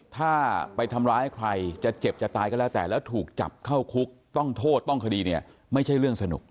ถ้าไปทำร้ายใครจะเจ็บจะตายก็แล้วแต่แล้วถูกจับเข้าคุกต้องโทษต้องคดีเนี่ยไม่ใช่เรื่องสนุก